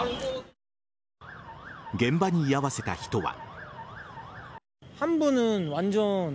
現場に居合わせた人は。